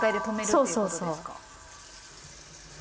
そうそうそう。